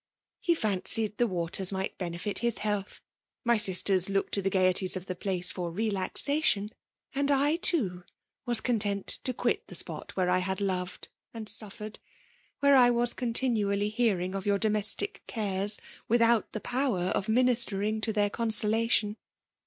He fancied the walen might benefit his health ; my edaters looked to the gaieties of the place for relaxation ; and I, too, was content to quit the spot where I had loved and suffered, — where I was continually hearing of your domestic cares, without the power of ministering to their consolation.